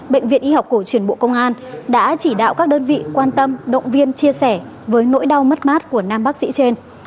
bệnh viện y học cổ truyền bộ công an đã chỉ đạo các đơn vị quan tâm động viên chia sẻ với nỗi đau mất mát của nam bác sĩ trên